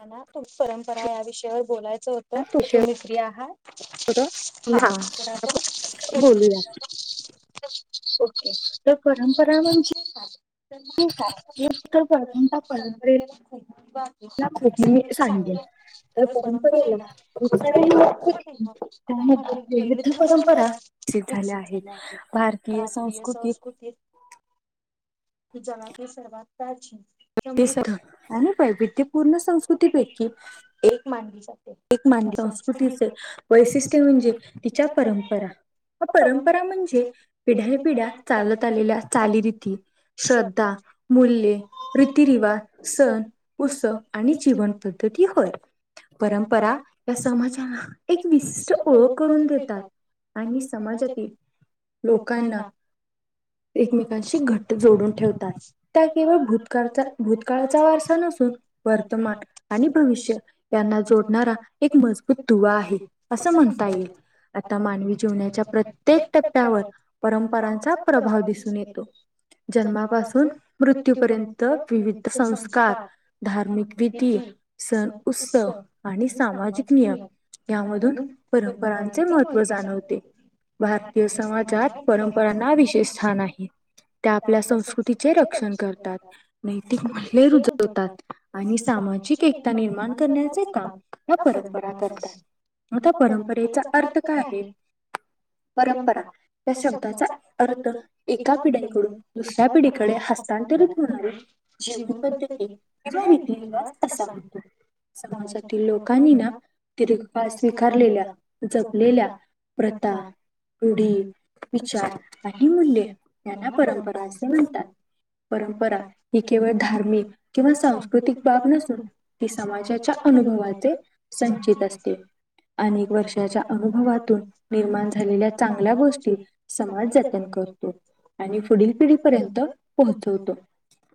मला ना परंपरा या विषयावर बोलायचं होतं, तर तुम्ही फ्री आहात? हा बोला तर एक मिनीट ओके तर परंपरा म्हणजे काय? तुमच्या इथे परंपरेला. असं मी ते सांगलं तर परंपरेलाचा. त्यामध्ये विविध परंपरा विकसित झाल्या आहेत भारतीय संस्कृतीत जगातील सर्वात प्राचीन, समृद्ध, आणि पैदतिक पूर्ण संस्कृती देेखील एक मानली जाते. या संस्कृतीचे वैशिष्ट्य म्हणजे तिच्या परंपरा परंपरा म्हणजे पिढ्यानपिढ्या चालत आलेल्या चालीरिती श्रद्धा, मुल्य रीतीरिवाज सण, उत्सव आणि जीवन पद्धती होय परं बरा त्यास एक विशिष्ट ओळख करून घेतात. आणि समाजातील लोकांना, एकमेकांशी घट जोडून ठेवतात. त्याच्या भूतकाळचा भूतकाळचा वार्सा देखील वर्तमान आणि भविष्य त्यांना जो जोडणारा एक मुख्य दुवा आहे. अस म्हणता येईल आता मानवी जिवणाच्या प्र प्रत्येक टप्प्यावर परंपराांचा प्रभाव दिसून येतो. जन्मापासून मृत्यूपर्यंत विविध संस्कार धार्मिक रिती, सण, उत्सव आणि सामाजिक नियम यामधून परंपरांचे महत्त्व सागितले. भारतीय समाचार परंपरा ना विशेष स्थान ते आपल्या संस्कृतीचे रक्षण करतात. ते [unintelligible] रूजवतात. आणि सामाजिक एकता निर्माण करण्याचे काम, परंपरा करतात आता परंपरेचा अर्थ काय आहे. परंपरा या शब्दाचा अर्थ एका पिढ्यांकडून दुसऱ्या पिढीकडे हस्तांतरित होणारी जीवनपद्धती किंवा रीतीरीवाज असा होतो समाजात. लोकांनी ना दीर्काळ स्वीकारलेल्या जपलेल्या प्रथा रूढी, विचार आणि मूल्य यांना परंपरा असे म्हणतात. परंपरा ही केवळ धार्मिक किंवा सांस्कृतिक बाब नसून ती समाजाच्या अनुभवाचे संचित असते. अनेक वर्षाच्या अनुभवातून निर्माण झालेल्या चांगल्या गोष्टी समाज जतन करतो. आणि पुढील पिढीपर्यंत पोहोचवतो.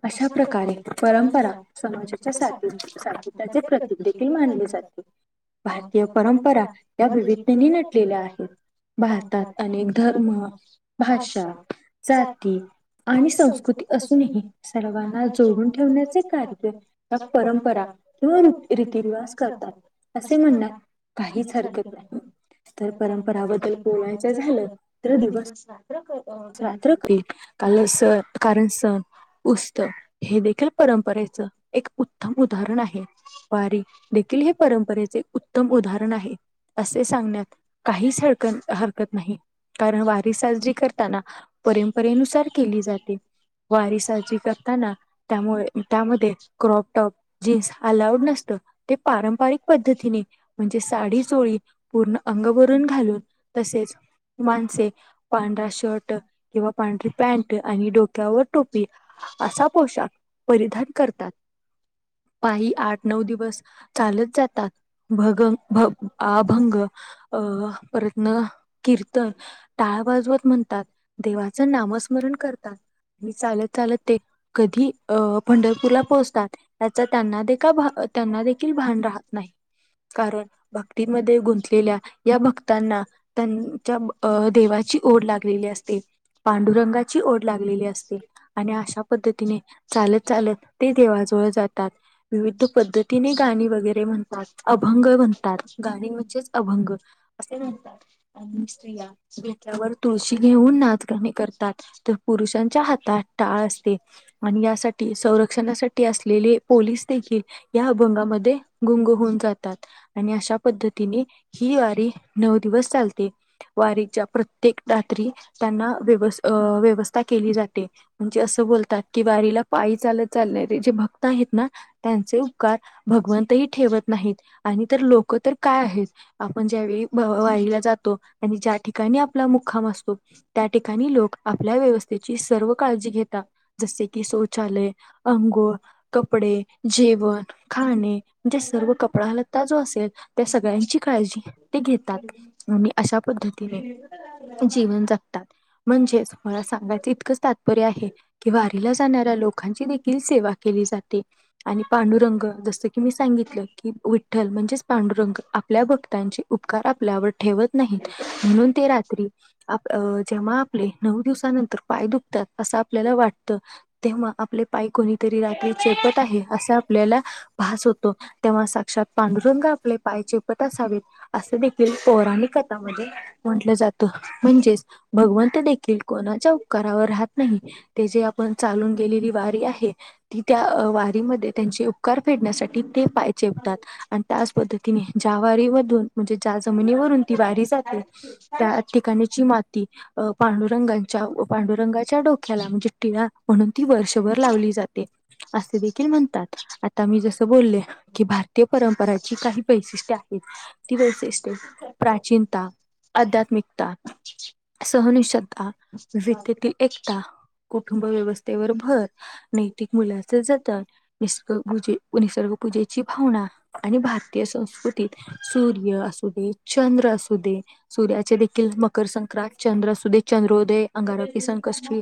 अशा प्रकारे समाजाच्या साथी सातीत्याचे प्रतीक देखील मानले जाते. भारतीय परंपरा या विविधतेनी नटलेल्या आहेत. भारतात अनेक धर्म, भाषा, जाती आणि संस्कृती असूनही सर्वांना जोडून ठेव जोडण्याचे कार्य ह्या परंपरा किंवा रीतीरिवाज करतात असे म्हण काहीच हरकत नाही. तर परंपराबद्दल बोलायचं झालं तर दिवस रात्र करी काल सण कारण सण उत्सव हे देखील परंपरेचं एक उत्तम उदाहरण आहे. वारी देखील हे परंपरेचे उत्तम उदाहरण आहे. असे सांगण्यात काहीच हरक हरकत नाही. कारण वारी साजरी करताना परंपरेनुसार केली जाते. वारी साजी करताना त्यामुळे त्यामध्ये क्रॉपटॉप जीन्स अलाउड नसत ते पारंपरिक पद्धतीने म्हणजे साडी चोळी पूर्ण अंगभरून घालून. तसेच. माणसे पांढरा शर्ट किंवा पांढरी पॅन्ट आणि डोक्यावर टोपी असा पोशाख परिधान करतात. पायी आठ नऊ दिवस चालत जातात. भग भ अभंग अ प्रतन कीर्तन टाळ वाजवत म्हणतात देवाचं नामस्मरण करतात. आणि चालत चालत ते कधी अ पंढरपूरला पोहोचतात त्याचा त्यांना का त्यांना देखील भान राहत नाही. कारण भक्तीमध्ये गुंतलेल्या या भक्तांना त्यांच्या अ देवाची ओढ लागलेली असते पांडुरंगाची ओढ लागलेली असते. आणि अशा पद्धतीने चालत चालत ते देवाजवळ जातात.. विविध पद्धतीने गाणी वगैरे म्हणतात अभंग म्हणतात गाणी म्हणजेच अभंग. अस म्हणतात, अभंग म्हंटल्यावर तुळशी घेऊन नाच गाणे करतात.. तर पुरुषांच्या हातात टाळ असते आणि यासाठी संरक्षणासाठी असलेले पोलीस देखील या अभंगामध्ये गुंग होऊन जातात आणि अशा पद्धतीने ही वारी नऊ दिवस चालते वारीच्या प्रत्येक रात्री त्यांना व्य व्यवस्था केली जाते म्हणजे असं बोलतात की कि वारीला पायी चालत जाणारे जे भक्त आहेत ना त्यांचे उपकार भगवंतही ठेवत नाहीत आणि तर लोक तर काय आहेत आपण ज्यावेेळी वारीला जातो आणि ज्या ठिकाणी आपला मुक्काम असतो त्या ठिकाणी लोक आपल्या व्यवस्थेची सर्व काळजी घेतात जसे की शौचालय, अंगोळ, कपडे जेवण खाणे जे सर्व कपडालता जो असेल त्या सगळ्यांची काळजी ते घेतात आणि अशा पद्धतीने जीवन जगतात. म्हणजेच मला सांगायचं इतकंच तात्पर्य आहे कि वारीला जाणाऱ्या लोकांची देखील सेवा केली जाते आणि पांडुरंग जसं की मी सांगितलं की विठ्ठल म्हणजेच पांडुरंग आपल्या भक्तांची उपकार आपल्यावर ठेवत नाहीत म्हणून ते रात्री आप जेव्हा आपले नऊ दिवसानंतर पाय दुखतात असं आपल्याला वाटत तेव्हा आपले पाय कोणीतरी रात्री चेपत आहे असा आपल्याला भास होतो तेव्हा साक्षात पांडुरंग आपले पायचेपट असावेत असं देखील पौराणिक कथामध्ये म्हटलं जातं म्हणजेच भगवंत देखील कोणाच्या उपकारावर राहत नाही ते जे आपण चालून केलेली वारी आहे ती त्या वारी त्यांचे उपकार फेडण्यासाठी ते पाय चेपतात आणि त्याच पद्धतीने ज्या वारी मधून म्हणजे ज्या जमिनीवरून ती वारी जाते त्या ठिकाची माती पांडुरंगांच्या पांडुरंगाच्या डोक्याला म्हणजे टिळा म्हणून ती वर्षभर लावली जाते असे म्हणतात आता मी जसं बोलले की भारतीय परंपराची काही वैशिष्ट्य आहेत वैशिष्ट्य प्राचीनता, आध्यात्मिकता सहनिषद्धा, विद्येतील एकता कुटुंब व्यवस्थेवर भर, नैतिक मुलाचे जतन निसर्ग पूजे निसर्ग पूजेची भावना आणि भारतीय संस्कृतीत सूर्य असू दे चंद्र असू दे सूर्याचे देखील मकर संक्रांत चंद्र असू दे चंद्रोदय अंगाराकी संकष्टी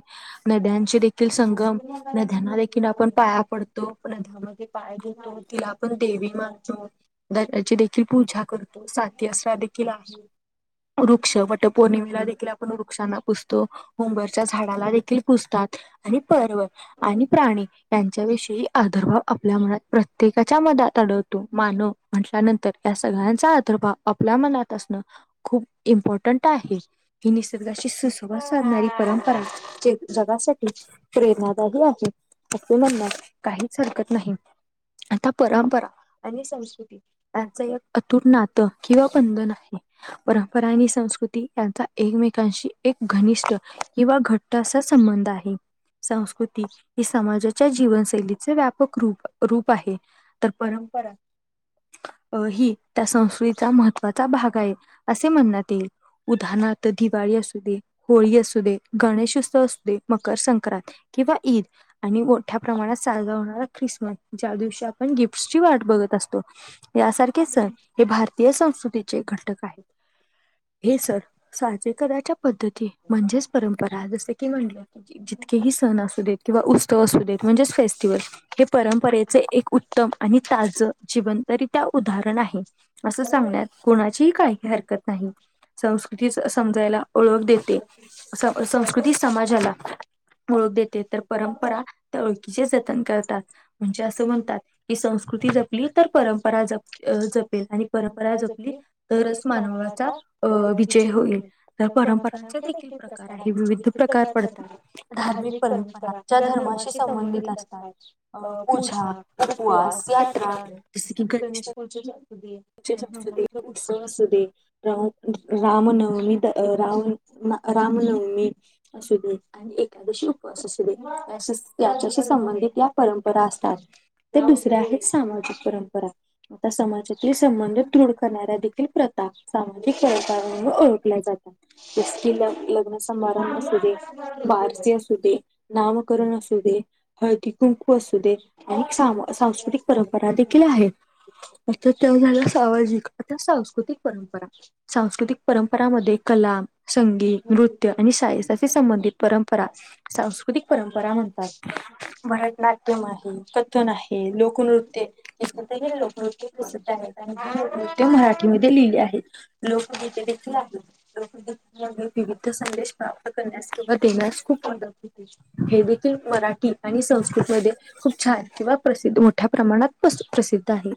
नद्यांचे देखील संगम नद्यांना देखील आपण पाया पडतो तिला आपण देवी मानतो तीची देखील पूजा करतो साती असरा देखील आहे.. वृक्ष वटपौर्णिमेला देखील आपण वृक्षांना पुसतो उंबर च्या झाडाला देखील पूजतात, आणि पर्व आणि प्राणी यांच्याविषयी आदर्भाव आपल्या मनात प्रत्येकाच्या मनात आढळतो, मानव म्हटल्यानंतर या सगळ्यांचा आदर्भाव आपल्या मनात असण, खूप इम्पॉर्टंट आहे, ही निसर्गाशी वा, साधणारी परंपरा जे जगासाठी प्रेरणादायी आहे, असे म्हणायला काहीच हरकत नाही. आता परंपरा आणि संस्कृत यांचं एक अतूट नातं किंवा बंधन आहे. परंपरा आणि संस्कृती यांचा एकमेकांशी एक घनिष्ठ किंवा घट्ट असा संबंध आहे, संस्कृती, ही समाजाच्या जीवनशैली चे व्यापक रूप रूप आहे. तर परंप अ, ही त्या संस्कृतीचा महत्त्वाचा भाग आहे, असे म्हणण्यात येईल उदाहरणार्थ, दिवाळी असू दे, होळी असू दे गणेशोत्स त्सव असू दे, मकर संक्रांत किंवा ईद, आणि मोठ्या प्रमाणात साजरा होणारा ख्रिसमस, ज्या दिवशी आपण गिफ्ट्स ची वाट बघत असतो, यासारखेच आहे हे भारतीय संस्कृतीचे घटक आहेत. हे सण साजरे करायच्या पद्धती म्हणजेच, परंपरा जसे म्ह, जितकेही सण असू देत किंवा उत्सव असू देत म्हणजेेच फेस तेव्हा हे परंपरेचे एक उत्तम आणि ताज जिवंतरित्या उदाहरण आहे. असं सांगण्यात कोणाचीही काही हरकत नाही, संस्कृती समजायला ओळख देते, संस्कृती समाज ज्याला ओळख देते तर परंपरा त्या ओळखीचे ज तर करतात म्हणजे असं म्हणतात, की संस्कृती जपली तर परंपरा जपली अह जपेल आणि परंपरा जपली तरच मानवाचा अह विजय होईल. तर परंपरांचा देखील प्रकार आहे, विविध प्रकार पडतात, धार्मिक परंपरा ज्या धर्माशी संबंधित असतात. अह, पूजा, उपवास, यात्रा जसे की गणेश [unintelligible] [unintelligible] असू दे, उत्सव असू दे, रा रामनवमी द राव रा रामनवमी असू दे, आणि एकादशी उपवास असू दे याच्याशी संबंध तिथल्या परंपरा असतात. तर दुसऱ्या आहेत सामाजिक परंपरा आता समाजातील संबंध दृढ करणाऱ्या देखील प्रत तात सामाजिक परंपरा ह्या ओळखल्या जातात, [unintelligible] लग्न समारंभ असू दे, बारसे असू दे, नामकरण असू दे, हळ दि कुंकू असू दे, आणि सांस्कृतिक परंपरा देखील आहेत. आता ते झालं सामाजिक आता सांस्कृतिक परंपरा, सांस्कृतिक परंपरामध्ये कला संगीत, नृत्य, आणि सायज त्या संबंधित परंपरा सांस्कृतिक परंपरा म्हणतात. भरतनाट्यम आहे, कथन आहे, लोकनृत्य हे [unintelligible] लोकनृत्य प्रसिद् आहेत, नृत्य मराठीमध्ये लिहिले आहे, लोकगीते देखील आहेत, लोकगीत विविध संदेश प्रा करण्यास किंवा देण्यास खूप मदत, हे देखील मराठी आणि संस्कृत मध्ये खूप छान किंवा प्रसिद्ध, मोठ्या प्रमाणात प्रसिद्ध आहे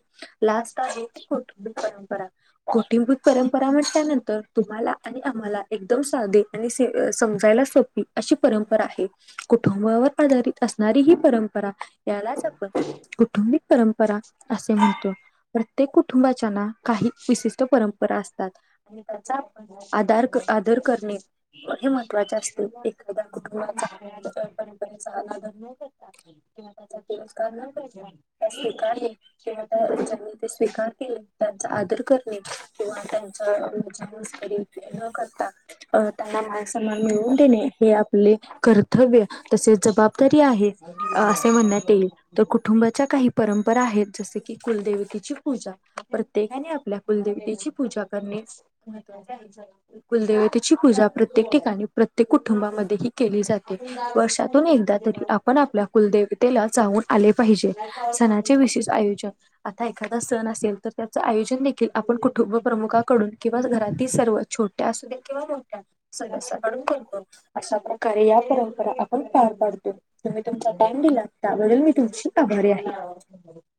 लास्ट आहे, ती कौटुंबिक परंपरा. कौटुंबिक परंपरा म्हटल्यानंतर तुम्हाला आणि आम्हाला एकदम साधे आणि [unintelligible] समजायला सोपी अशी परंपरा आहे, कुटुंबावर आधारित असणारी ही परंपरा यालाच आपण कौटुंबिक परंपरा असे म्हणतो. प्रत्येक [unintelligible] परंपरा असतात, आणि त्याचा आधार [unintelligible] [unintelligible] अनादर न करता, किंवा त्याचा तिरस्कार न करता, [unintelligible] त्या स्वीकार केला. त्यांचा आदर करणे किंवा त्यांच्या [inaudible] स्टडी न करता त्यांना मानसन्मान त्यांना मिळवून देणे ते आपले कर्तव्य तसेच जवाब दारी आहेच [unintelligible] पूजा [unintelligible] [unintelligible] प्रत्येक वर्ष [unintelligible] आपण, आपल्याुल जाऊ, आ पाहिजे. [unintelligible] आता अ्या सण असेल, तर त्याच आयोजन घण क प्रमुखाकडून किंवा सगव [unintelligible] ध, किंवा, मोठ्या [inaudible] [unintelligible] अशा प्रकारे या आपण पार पडतो [unintelligible] तुम्ही तुमचा टाईम दिला त्यामुळे मी तुम [unintelligible]